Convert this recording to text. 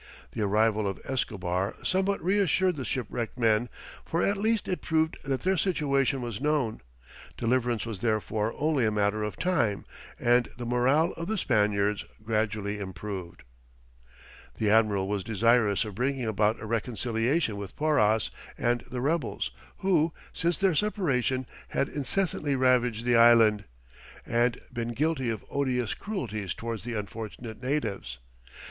The arrival of Escobar somewhat reassured the shipwrecked men, for at least it proved that their situation was known. Deliverance was therefore only a matter of time, and the morale of the Spaniards gradually improved. The admiral was desirous of bringing about a reconciliation with Porras and the rebels, who, since their separation, had incessantly ravaged the island, and been guilty of odious cruelties towards the unfortunate natives.